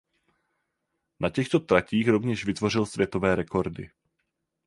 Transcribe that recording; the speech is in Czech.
Na těchto tratích rovněž vytvořil světové rekordy.